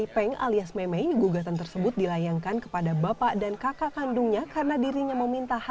saya sudah berusaha semaksimum islah